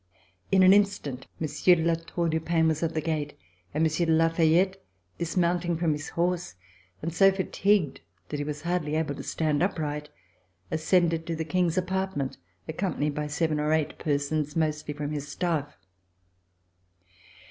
In an instant Monsieur de La Tour du Pin was at the gate, and Monsieur de La Fayette, dismounting from his horse, and so fatigued that he was hardly able to stand upright, ascended to the King's apartment accompanied by seven or eight VERSAILLES INVADED HY THE MOB persons, mostly from his staff.